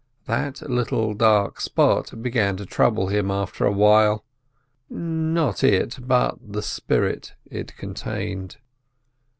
That little dark spot began to trouble him after a while; not it, but the spirit it contained.